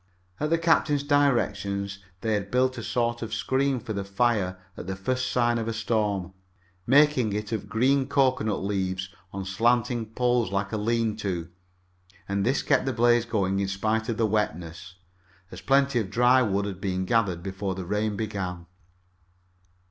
Under the captain's directions they had built a sort of screen for the fire at the first sign of a storm, making it of green cocoanut tree leaves on slanting poles like a "lean to," and this kept the blaze going in spite of the wetness, as plenty of dry wood had been gathered before the rain began.